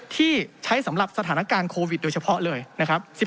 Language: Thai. ที่ใช้สำหรับสถานการณ์โควิดโดยเฉพาะเลยนะครับ